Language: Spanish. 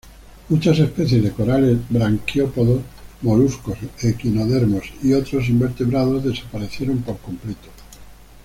Muchas especies de corales, braquiópodos, moluscos, equinodermos y otros invertebrados desaparecieron por completo.